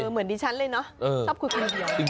เหมือนดิฉันเลยเนอะชอบคุยคนเดียว